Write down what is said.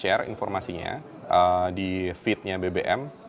saya bisa share informasinya di feednya bbm